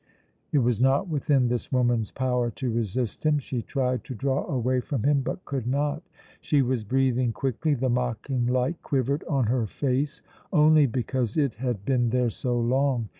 It was not within this woman's power to resist him. She tried to draw away from him, but could not. She was breathing quickly. The mocking light quivered on her face only because it had been there so long.